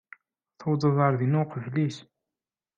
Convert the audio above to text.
Tuwḍeḍ ɣer din uqbel-is.